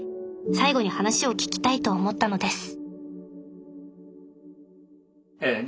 最後に話を聞きたいと思ったのです